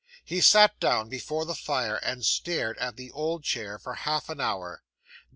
He sat down before the fire, and stared at the old chair for half an hour.